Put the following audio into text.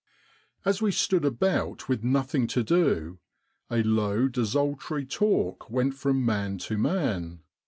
As we stood about with nothing to do, a low desultory talk went from man to man.